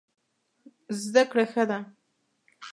زده کړه ښه ده.